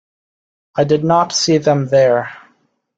I did not see them there.